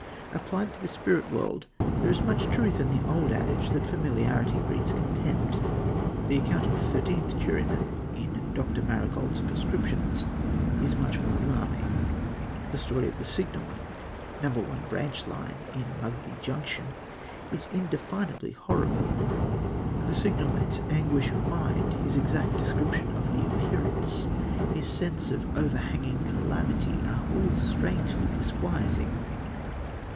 Applied to the spirit world, there is much truth in the old adage that familiarity breeds contempt. The account of the thirteenth juryman, in Dr. Marigold's Prescriptions, is much more alarming. The story of the signalman, No. 1 Branch line, in Mugby Junction, is indefinably horrible. The signalman's anguish of mind, his exact description of the Appearance, his sense of overhanging calamity, are all strangely disquieting.